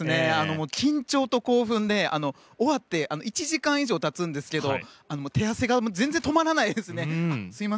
緊張と興奮で終わって１時間以上経つんですけど手汗が全然止まらないですね。